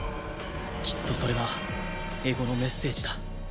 きっとそれが絵心のメッセージだ。